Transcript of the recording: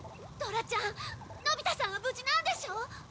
ドラちゃんのび太さんは無事なんでしょう？